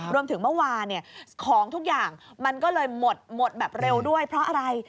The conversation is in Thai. เมื่อวานของทุกอย่างมันก็เลยหมดแบบเร็วด้วยเพราะอะไร